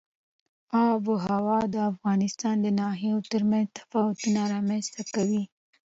آب وهوا د افغانستان د ناحیو ترمنځ تفاوتونه رامنځ ته کوي.